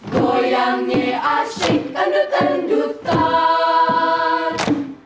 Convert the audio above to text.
goyangnya asing kendutan kendutan